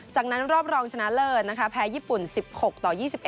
จากนั้นรอบรองชนะเลิศนะคะแพ้ญี่ปุ่น๑๖ต่อ๒๑